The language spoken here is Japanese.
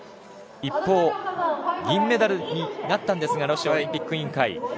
一方、銀メダルになったんですがロシアオリンピック委員会。